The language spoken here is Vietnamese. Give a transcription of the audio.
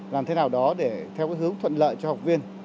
làm thế nào đó để theo hướng thuận lợi cho học viên